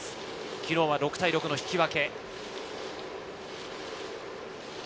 昨日６対６の引き分け。